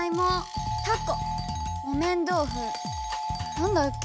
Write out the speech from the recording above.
なんだっけ？